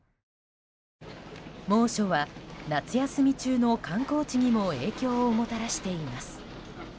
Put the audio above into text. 猛暑は夏休み中の観光地にも影響をもたらしています。